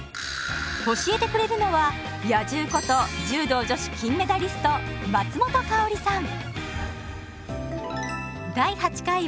教えてくれるのは「野獣」こと柔道女子金メダリスト松本薫さん。